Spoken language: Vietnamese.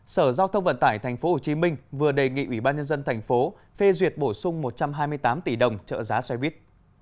sở giao thông vận tải tp hcm vừa đề nghị ủy ban nhân dân tp phê duyệt bổ sung một trăm hai mươi tám tỷ đồng trợ giá xe buýt